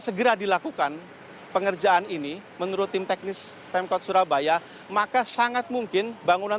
segera dilakukan pengerjaan ini menurut tim teknis pemkot surabaya maka sangat mungkin bangunan